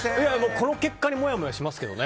この結果にもやもやしますけどね。